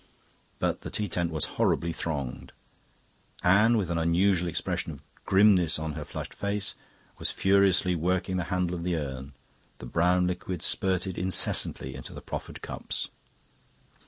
But the tea tent was horribly thronged. Anne, with an unusual expression of grimness on her flushed face, was furiously working the handle of the urn; the brown liquid spurted incessantly into the proffered cups.